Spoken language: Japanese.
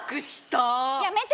やめて！